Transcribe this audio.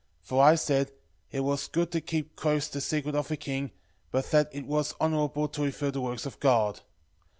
For I said, It was good to keep close the secret of a king, but that it was honourable to reveal the works of God.